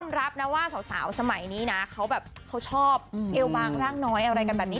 ต้องรับว่าสาวสมัยนี้เขาชอบเอวบางล่างน้อยอะไรกันแบบนี้